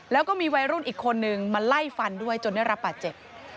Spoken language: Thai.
แล้วก็มีวัยรุ่นอีกคนนึงมาไล่ฟันด้วยจนได้รับบาดเจ็บ